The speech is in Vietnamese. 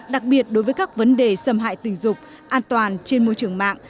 đặc biệt đối với các vấn đề xâm hại tình dục an toàn trên môi trường mạng